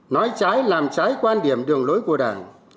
nói trái làm trái quan điểm đường lối của đảng